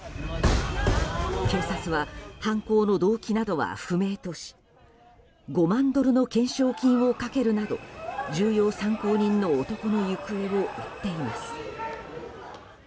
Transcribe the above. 警察は犯行の動機などは不明とし５万ドルの懸賞金をかけるなど重要参考人の男の行方を追っています。